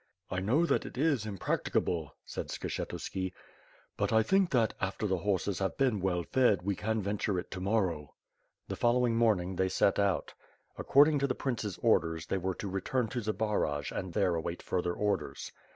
"I know that it is impracticable," said Skshetuski, '^ut I think that, after the horses have been well fed, we can ven ture it to morrow." The following morning, they set out. According to the prince's orders, they were to return to Zbaraj and there await further orders.